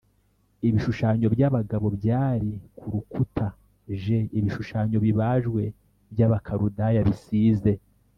Ibishushanyo By Abagabo Byari Ku Rukuta J Ibishushanyo Bibajwe By Abakaludaya Bisize